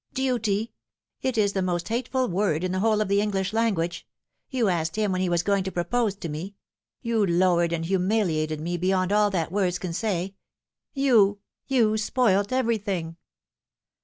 " Duty ! It is the most hateful word in the whole of the English lan guage. You asked him when he was going to propose to me you lowered and humiliated me beyond all that words can say you you spoilt everything."